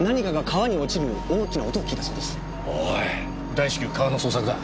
大至急川の捜索だ。